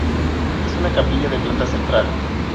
Es una capilla de planta central.